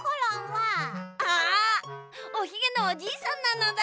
あおひげのおじいさんなのだ。